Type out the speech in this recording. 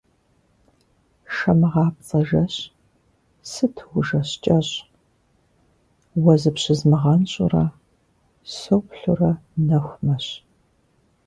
Шэмыгъапцӏэ жэщ, сыту ужэщ кӏэщӏ, уэ зыпщызмыгъэнщӏурэ, соплъурэ нэху мэщ.